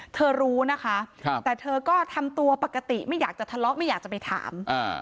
เธอรู้นะคะแต่เธอก็ทำตัวปกติไม่อยากจะทะเลาะไม่อยากจะไปถาม